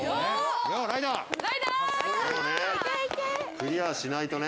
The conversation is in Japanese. クリアしないとね。